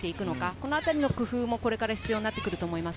このあたりの工夫が必要になってくると思います。